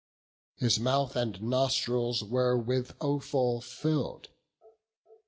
His mouth and nostrils were with offal fill'd.